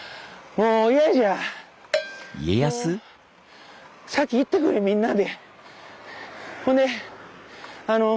もう先行ってくれみんなで。